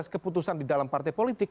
keputusan di dalam partai politik